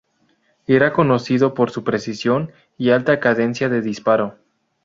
Era conocido por su precisión y alta cadencia de disparo.